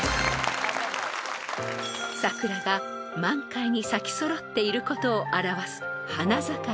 ［桜が満開に咲き揃っていることを表す］